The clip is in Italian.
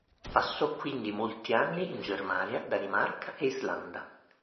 Passò quindi molti anni in Germania, Danimarca e Islanda.